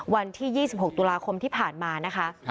วันที่๒๖ตุลาคมที่ผ่านมานะคะ